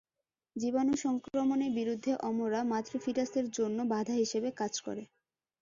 জীবাণু সংক্রমণের বিরুদ্ধে অমরা মাতৃ-ফিটাসের জন্য বাধা হিসাবে কাজ করে।